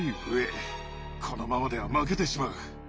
このままでは負けてしまう。